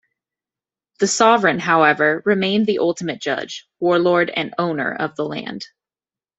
The sovereign, however, remained the ultimate judge, warlord and owner of the land.